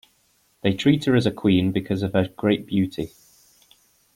They treat her as a Queen because of her great beauty.